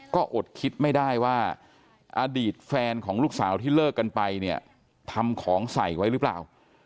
ก็อดคิดไม่ได้ว่าอดีตแฟนของลูกสาวที่เลิกกันไปเนี่ยทำของใส่ไว้หรือเปล่า